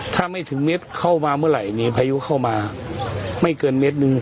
ถ้าไม่ถึงเม็ดเข้ามาเมื่อไหร่มีพายุเข้ามาไม่เกินเม็ดนึง